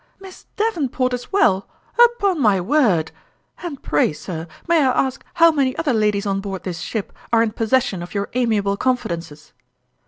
" Miss Davenport as well ? Upon my word ! And pray, sir, may I ask how many other ladies on board this ship are in possession of your amiable confidences